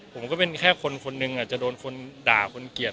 ผมก็เป็นแค่คนคนหนึ่งจะโดนคนด่าคนเกลียด